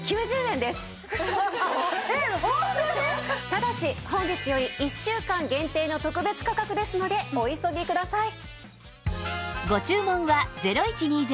ただし本日より１週間限定の特別価格ですのでお急ぎください。